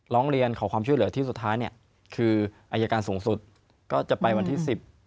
ร้องเรียนขอความช่วยเหลือที่สุดท้ายเนี่ยคืออายการสูงสุดก็จะไปวันที่สิบ